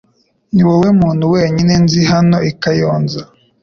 Niwowe muntu wenyine nzi hano i Kayonza